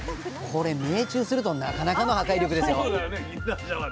これ命中するとなかなかの破壊力ですよ